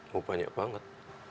oh banyak banget